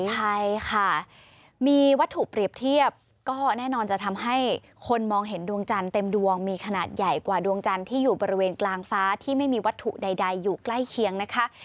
ใช่ค่ะมีวัตถุเปรียบเทียบก็แน่นอนจะทำให้คนมองเห็นดวงจันทร์เต็มดวงมีขนาดใหญ่กว่าดวงจันทร์ที่อยู่บริเวณกลางฟ้าที่ไม่มีวัตถุใดอยู่ใกล้เคียงนะคะ